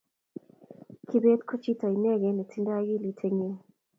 kibet ko chito inegee netindoi akilit eng nyu